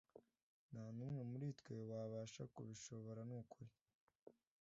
nta numwe muri twe wabasha kubishobora nukuri.